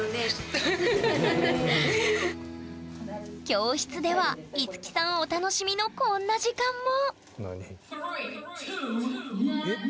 教室では樹さんお楽しみのこんな時間も！